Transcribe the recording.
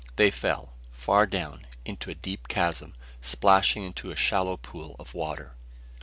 They fell, far down, into a deep chasm, splashing into a shallow pool of water.